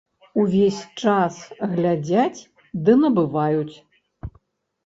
Увесь час глядзяць ды набываюць.